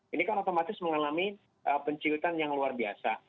ini kan otomatis mengalami penciutan yang luar biasa